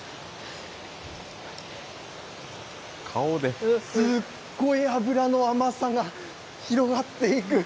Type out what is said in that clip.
すっごい脂の甘さが広がっていく。